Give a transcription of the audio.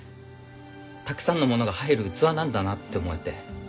たくさんのものが入る器なんだなって思えて。